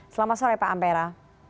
selamat sore pak ampera